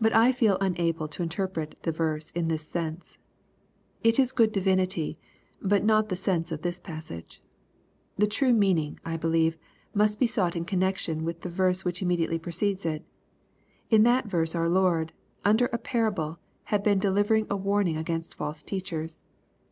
But I feel unable to interpret the verse in this sense. It is good divinity, but not the sense of this passage. The true meaning, I believe, must be sought in connection with the verse which immediately precedes it. In that verse our Lord, under a parable, had been delivering a warning against false teachers.